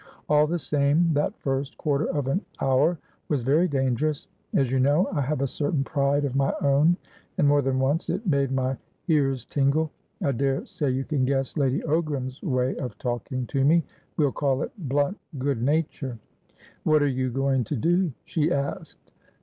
All the same, that first quarter of an hour was very dangerous. As you know, I have a certain pride of my own, and more than once it made my ears tingle. I dare say you can guess Lady Ogram's way of talking to me; we'll call it blunt good nature. 'What are you going to do?' she asked.